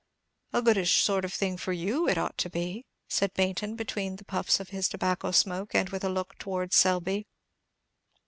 "A goodish sort of thing for you it ought to be," said Baynton, between the puffs of his tobacco smoke, and with a look towards Selby.